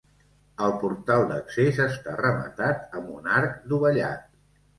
El portal d'accés està rematat amb un arc dovellat.